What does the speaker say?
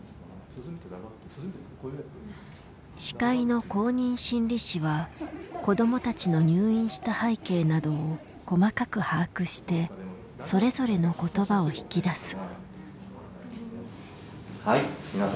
司会の公認心理師は子どもたちの入院した背景などを細かく把握してそれぞれの言葉を引き出す。